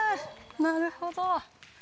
なるほど。